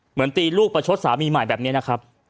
เหมือนตีลูกประชดสามีใหม่แบบนี้นะครับ